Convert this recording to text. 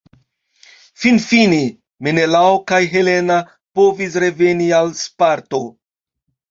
Finfine, Menelao kaj Helena povis reveni al Sparto.